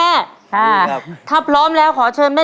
เพื่อชิงทุนต่อชีวิตสูงสุด๑ล้านบาท